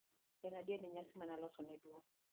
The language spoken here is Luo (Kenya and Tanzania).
en adier ni nyasi mane olosi ne dwong'